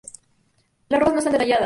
Las ropas no están detalladas.